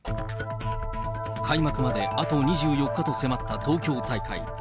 開幕まであと２４日と迫った東京大会。